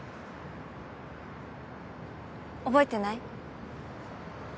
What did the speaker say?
覚えてない？